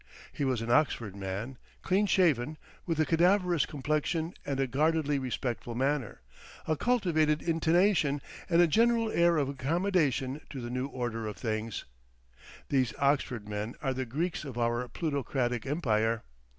He was an Oxford man, clean shaven, with a cadaverous complexion and a guardedly respectful manner, a cultivated intonation, and a general air of accommodation to the new order of things. These Oxford men are the Greeks of our plutocratic empire.